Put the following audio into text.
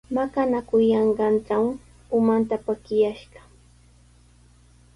Maqanakuyanqantraw umanta pakiyashqa.